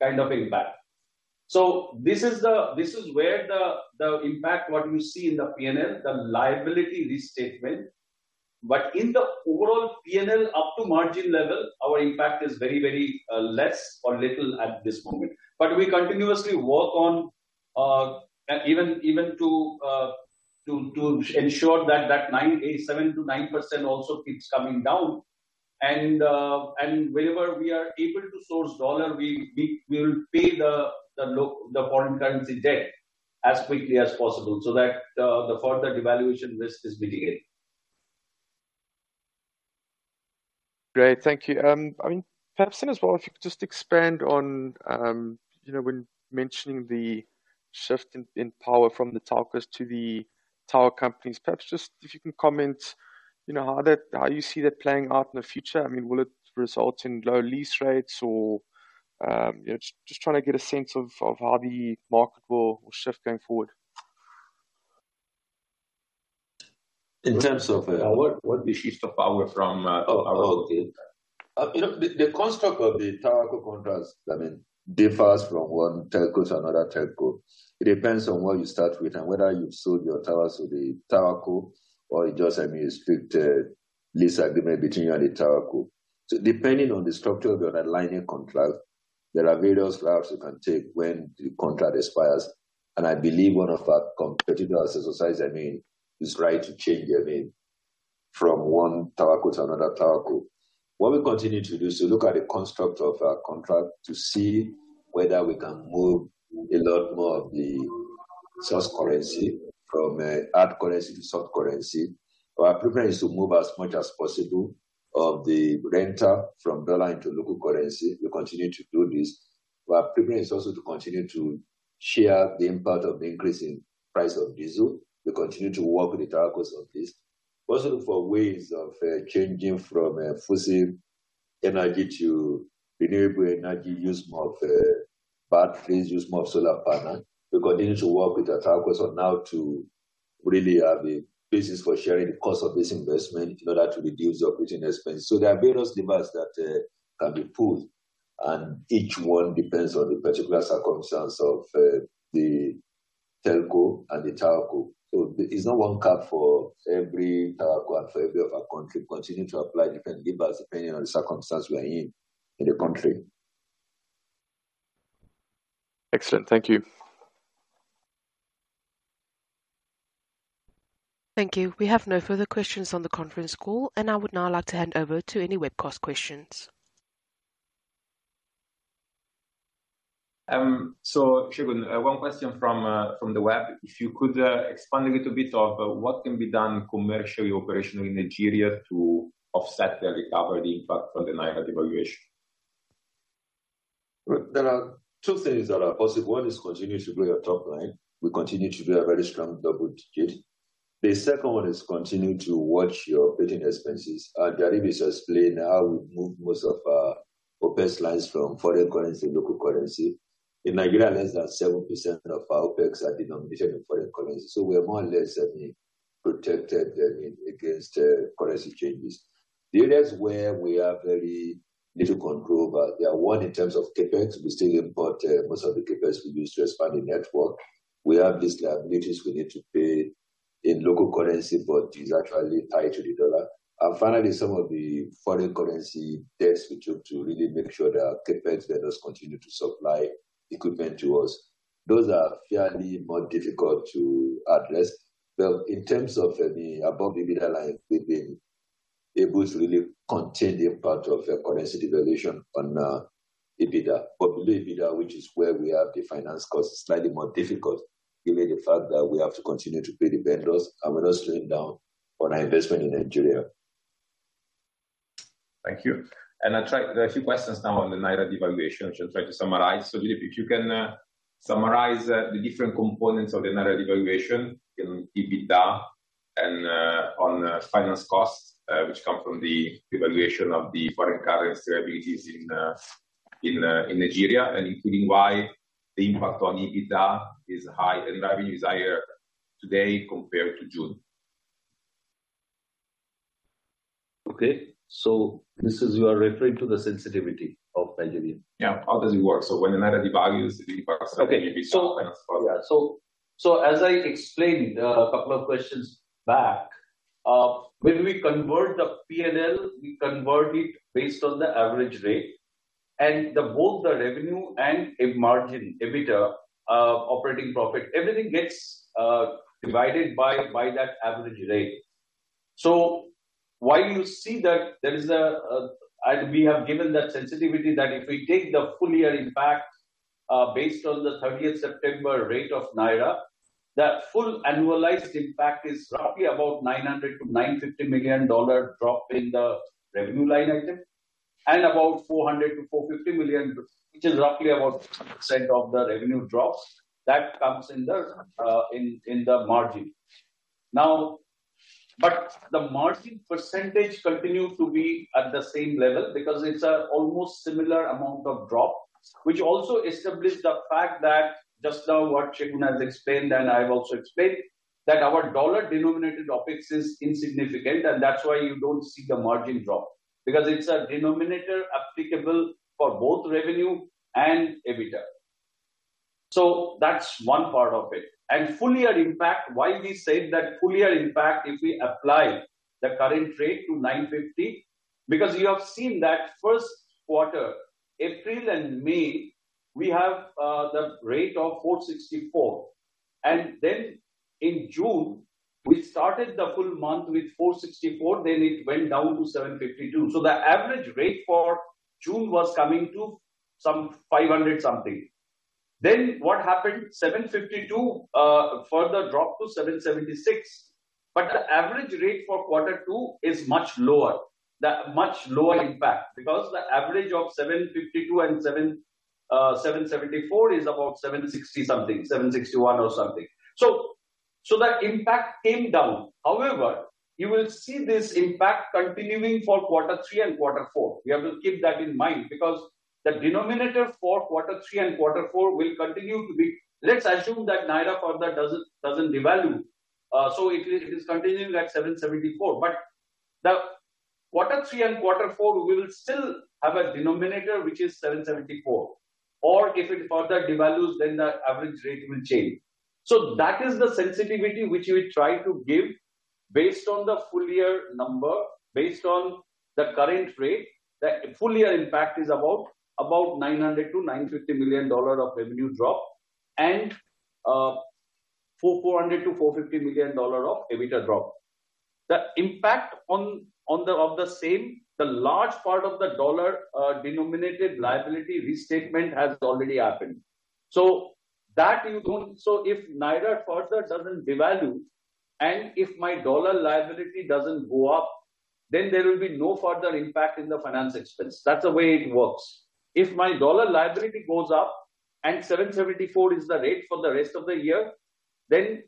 kind of impact. This is where the impact, what you see in the PNL, the liability restatement. In the overall PNL up to margin level, our impact is very, very less or little at this moment. We continuously work on, even to ensure that that 7%-9% also keeps coming down. Wherever we are able to source the US dollar, we will pay the foreign currency debt as quickly as possible so that the further devaluation risk is mitigated. Great. Thank you. I mean, perhaps then as well, if you could just expand on, you know, when mentioning the shift in, in power from the telcos to the tower companies. Perhaps just if you can comment, you know, how that, how you see that playing out in the future? I mean, will it result in low lease rates or, you know, just, just trying to get a sense of, of how the market will, will shift going forward. In terms of, What, what the shift of power from, in- Oh, okay. You know, the construct of the tower co contracts, I mean, differs from one telco to another telco. It depends on where you start with and whether you've sold your towers to the tower co, or it's just a restricted lease agreement between you and the tower co. So depending on the structure of your underlying contract, there are various routes you can take when the contract expires, and I believe one of our competitors, as I mean, is trying to change, I mean, from one tower co to another tower co. What we continue to do is to look at the construct of our contract to see whether we can move a lot more of the source currency from hard currency to soft currency. Our preference is to move as much as possible of the rental from dollar into local currency. We continue to do this, but our preference is also to continue to share the impact of the increase in price of diesel. We continue to work with the tower cos on this. Also look for ways of changing from fossil energy to renewable energy, use more of batteries, use more of solar panel. We continue to work with the tower cos now to really, the business for sharing the cost of this investment in order to reduce operating expense. There are various levers that can be pulled, and each one depends on the particular circumstance of the telco and the tower co. There is no one card for every tower co and for every other country. We continue to apply different levers depending on the circumstance we are in, in the country. Excellent. Thank you. Thank you. We have no further questions on the conference call, and I would now like to hand over to any webcast questions. Segun, one question from the web. If you could expand a little bit of what can be done commercially, operationally, in Nigeria to offset or recover the impact from the naira devaluation? Well, there are two things that are possible. One is continue to grow your top line. We continue to do a very strong double digit. The second one is continue to watch your operating expenses, and Jaideep has explained how we've moved most of our OpEx lines from foreign currency to local currency. In Nigeria, less than 7% of our OpEx are denominated in foreign currency, so we are more or less, I mean, protected, I mean, against, I mean, currency changes. The areas where we have very little control over, there are one in terms of CapEx. We still import, I mean, most of the CapEx we use to expand the network. We have these liabilities we need to pay in local currency, but is actually tied to the US dollar. Finally, some of the foreign currency debts we took to really make sure that our CapEx vendors continue to supply equipment to us. Those are fairly more difficult to address. But in terms of, I mean, above EBITDA line, we've been able to really contain the impact of the currency devaluation on EBITDA. But below EBITDA, which is where we have the finance costs, slightly more difficult, given the fact that we have to continue to pay the vendors and we're not slowing down on our investment in Nigeria. Thank you. I try... There are a few questions now on the naira devaluation, which I'll try to summarize. Jaideep, if you can, summarize the different components of the naira devaluation in EBITDA and on finance costs, which come from the devaluation of the foreign currency liabilities in Nigeria, and including why the impact on EBITDA is high and maybe is higher today compared to June. Okay. So this is, you are referring to the sensitivity of Nigeria? Yeah. How does it work? So when the naira devalues, it impacts- Okay. EBITDA and so on. As I explained a couple of questions back, when we convert the P&L, we convert it based on the average rate and both the revenue and EBITDA margin, EBITDA, operating profit, everything gets divided by that average rate. While you see that there is a, and we have given that sensitivity, that if we take the full year impact based on the 30 September rate of naira, that full annualized impact is roughly about $900 million-$950 million drop in the revenue line item, and about $400 million-$450 million, which is roughly about % of the revenue drops. That comes in the margin. Now, the margin percentage continues to be at the same level because it's an almost similar amount of drop, which also established the fact that just now what Segun has explained, and I've also explained, that our dollar-denominated OpEx is insignificant, and that's why you don't see the margin drop, because it's a denominator applicable for both revenue and EBITDA. That's one part of it. Full year impact, why we said that full year impact, if we apply the current rate to 950, because you have seen that first quarter, April and May, we have the rate of 464. In June, we started the full month with 464, then it went down to 752. The average rate for June was coming to some 500 something. What happened? Seven fifty-two, further dropped to seven seventy-six, but the average rate for quarter two is much lower. The much lower impact, because the average of 752 and 774 is about 760 something, 761 or something. That impact came down. However, you will see this impact continuing for quarter three and quarter four. We have to keep that in mind, because the denominator for quarter three and quarter four will continue to be... Let's assume that the Naira further doesn't devalue. It is continuing at 774. The quarter three and quarter four will still have a denominator, which is 774. If it further devalues, then the average rate will change. That is the sensitivity which we try to give based on the full year number, based on the current rate. The full year impact is about $900 million-$950 million of revenue drop, and $400 million-$450 million of EBITDA drop. The impact of the same, the large part of the dollar denominated liability restatement has already happened. So that you don't... So if Naira further doesn't devalue, and if my dollar liability doesn't go up, then there will be no further impact in the finance expense. That's the way it works. If my dollar liability goes up and 774 is the rate for the rest of the year, then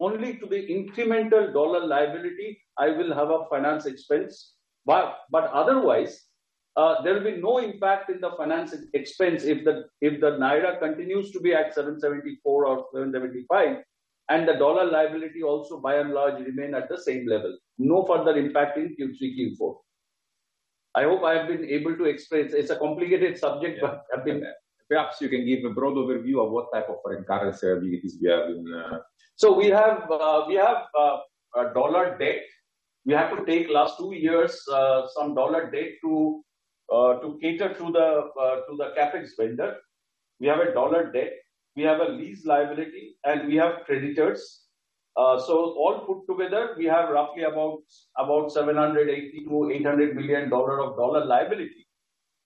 only to the incremental dollar liability I will have a finance expense. But otherwise, there will be no impact in the finance expense if the Naira continues to be at 774 or 775, and the dollar liability also by and large remain at the same level. No further impact in Q3, Q4. I hope I have been able to explain. It's a complicated subject, but- Yeah. Perhaps you can give a broad overview of what type of foreign currency liabilities we have in, We have a dollar debt. We have to take last two years some dollar debt to cater to the CapEx vendor. We have a dollar debt, we have a lease liability, and we have creditors. All put together, we have roughly about $780 million-$800 million of dollar liability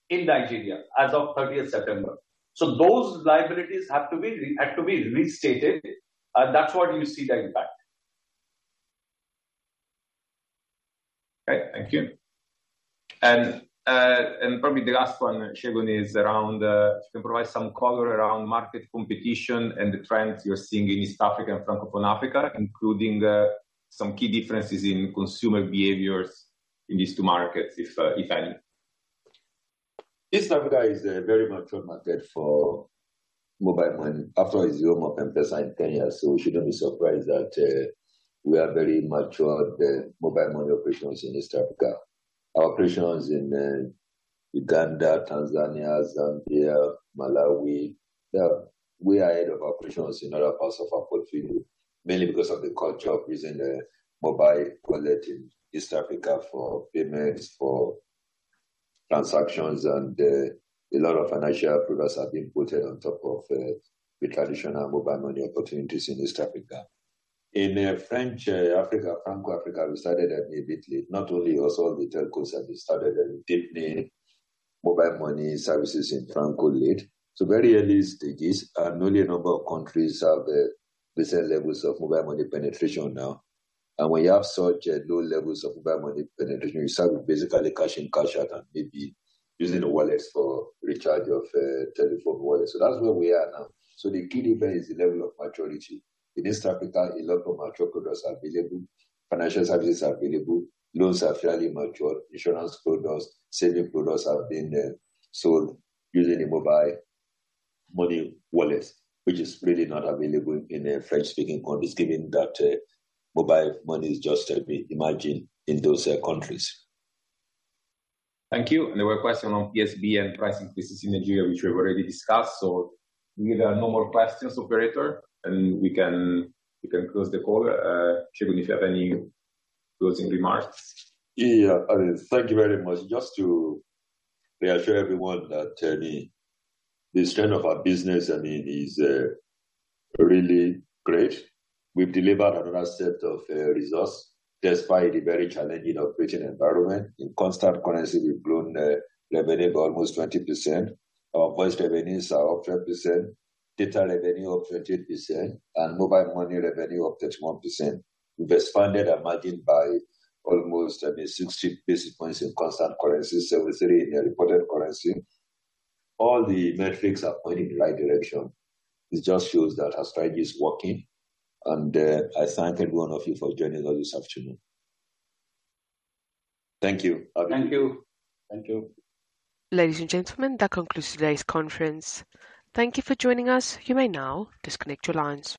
in Nigeria as of 30th September. Those liabilities have to be restated, and that's what you see the impact. Okay, thank you. And probably the last one, Segun, is around if you can provide some color around market competition and the trends you're seeing in East Africa and Francophone Africa, including some key differences in consumer behaviors in these two markets, if any. East Africa is a very mature market for mobile money. Africa is zero, more than 10 years, so we shouldn't be surprised that we are very mature at the mobile money operations in East Africa. Our operations in Uganda, Tanzania, Zambia, Malawi, they are way ahead of operations in other parts of our portfolio, mainly because of the culture of using mobile wallet in East Africa for payments, for transactions, and a lot of financial progress have been put on top of the traditional mobile money opportunities in East Africa. In French Africa, Francophone Africa, we started a little bit late. Not only us, all the telcos have started very deeply mobile money services in Francophone late. So very early stages, and only a number of countries have recent levels of mobile money penetration now. When you have such low levels of mobile money penetration, you start with basically cash in, cash out, and maybe using the wallets for recharge of telephone wallets. That's where we are now. The key difference is the level of maturity. In East Africa, a lot of mature products are available, financial services are available, loans are fairly mature, insurance products, saving products have been sold using the mobile money wallets, which is really not available in a French-speaking country, given that mobile money is just emerging in those countries. Thank you. And there were questions on PSB and pricing business in Nigeria, which we've already discussed. So we have no more questions, operator, and we can, we can close the call. Segun, if you have any closing remarks? Yeah, thank you very much. Just to reassure everyone that, the strength of our business, I mean, is, really great. We've delivered another set of, results despite the very challenging operating environment. In constant currency, we've grown, revenue by almost 20%. Our voice revenues are up 10%, data revenue up 20%, and mobile money revenue up 31%. We've expanded our margin by almost, I mean, 60 basis points in constant currency, 73 in the reported currency. All the metrics are pointing in the right direction. It just shows that our strategy is working, and, I thank every one of you for joining us this afternoon. Thank you. Bye. Thank you. Thank you. Ladies and gentlemen, that concludes today's conference. Thank you for joining us. You may now disconnect your lines.